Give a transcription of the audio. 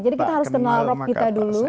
jadi kita harus kenal rok kita dulu